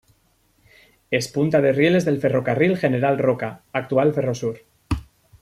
Es punta de rieles del Ferrocarril General Roca, actual Ferrosur.